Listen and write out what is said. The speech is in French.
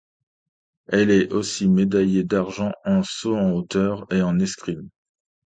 Elle est aussi médaillée d'argent en saut en hauteur et en escrime.